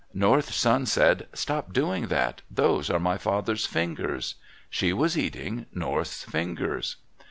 North's son said, "Stop doing that. Those are my father's fingers." She was eating North's fingers.